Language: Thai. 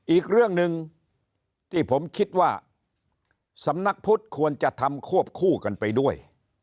อีกเรื่องหนึ่งที่ผมคิดว่าสำนักพุทธควรจะทำควบคู่กันไปด้วย